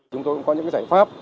chúng tôi cũng có những giải pháp